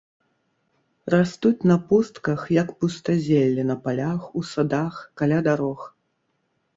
Растуць на пустках, як пустазелле на палях, у садах, каля дарог.